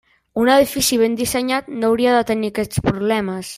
Un edifici ben dissenyat no hauria de tenir aquests problemes.